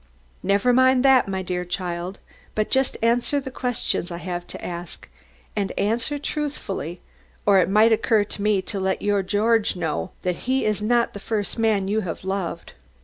"Never mind that, my dear child, but just answer the questions I have to ask, and answer truthfully, or it might occur to me to let your George know that he is not the first man you have loved."